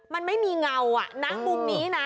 มันไม่มีเงานะมุมนี้นะ